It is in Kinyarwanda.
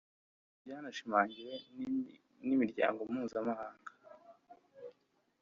Ibyo byanashimangiwe n’imiryango mpuzamahanga